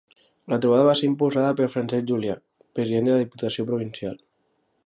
La trobada va ser impulsada per Francesc Julià, president de la Diputació Provincial.